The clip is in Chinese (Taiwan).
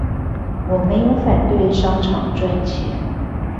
我沒有反對商場賺錢